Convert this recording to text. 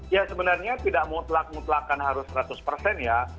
ya sebenarnya tidak mutlak mutlakan harus seratus ya